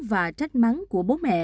và trách mắng của bố mẹ